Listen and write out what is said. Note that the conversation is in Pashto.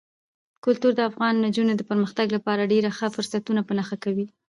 کلتور د افغان نجونو د پرمختګ لپاره ډېر ښه فرصتونه په نښه کوي.